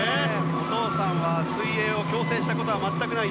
お父さんは水泳を強制したことは全くない。